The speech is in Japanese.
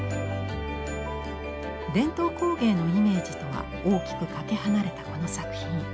伝統工芸のイメージとは大きくかけ離れたこの作品。